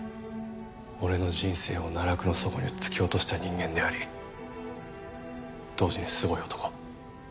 俺の人生を奈落の底に突き落とした人間であり同時にすごい男。